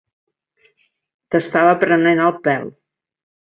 T'estava prenent el pèl.